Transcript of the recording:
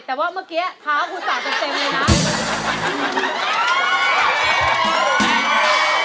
แต่ว่าเมื่อกี้เท้าคุณสากเต็มเลยนะ